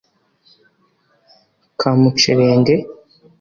“Kamucerenge”;